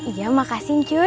iya makasih cuy